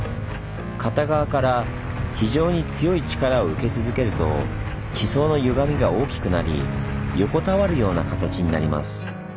片側から非常に強い力を受け続けると地層のゆがみが大きくなり横たわるような形になります。